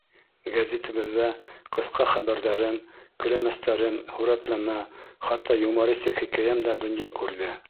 Гәзитебеҙҙә ҡыҫҡа хәбәрҙәрем, көләмәстәрем, һүрәтләмә, хатта юмористик хикәйәм дә донъя күрҙе.